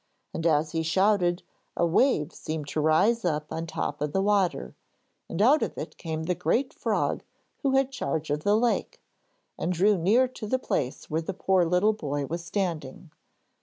And as he shouted a wave seemed to rise on the top of the water, and out of it came the great frog who had charge of the lake, and drew near to the place where the poor little boy was standing.